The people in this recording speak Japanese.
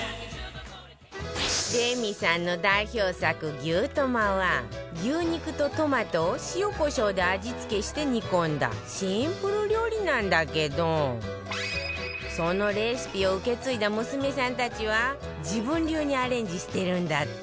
レミさんの代表作牛トマは牛肉とトマトを塩コショウで味付けして煮込んだシンプル料理なんだけどそのレシピを受け継いだ娘さんたちは自分流にアレンジしてるんだって